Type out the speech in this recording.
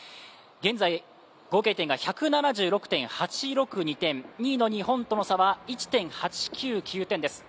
現在合計点が１７６．８６２点２位の日本との差は１．８８９点です。